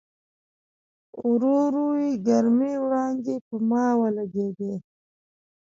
ورو ورو یې ګرمې وړانګې پر ما ولګېدې.